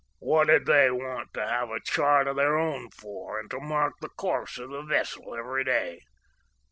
What did they want to have a chart of their own for and to mark the course of the vessel every day?"